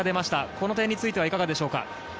この点についてはいかがですか？